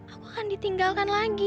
aku akan ditinggalkan lagi